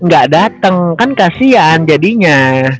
gak datang kan kasian jadinya